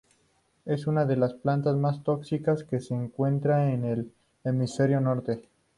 Es una de las plantas más tóxicas que se encuentran en el hemisferio norte.